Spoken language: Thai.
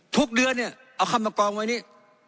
ทุกเดือนเนี่ยเอาเข้ามากองไว้นี้